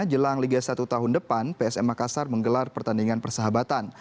jelang liga satu tahun depan psm makassar menggelar pertandingan persahabatan